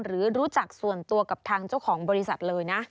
หรือรู้จักส่วนตัวกับทางเจ้าของบริษัทเลยนะ